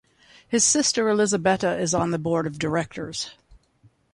His sister Elisabetta is on the board of directors.